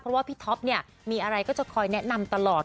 เพราะว่าพี่ท็อปเนี่ยมีอะไรก็จะคอยแนะนำตลอด